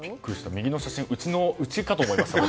右の写真、うちかと思いました。